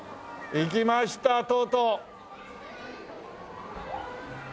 いきましたとうとう！